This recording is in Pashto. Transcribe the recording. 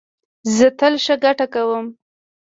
زه تل ښه ګټه کوم